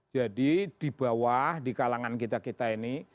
jadi di bawah di kalangan kita kita ini